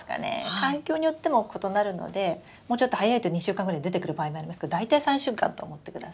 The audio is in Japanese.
環境によっても異なるのでもうちょっと早いと２週間ぐらいで出てくる場合もありますけど大体３週間と思ってください。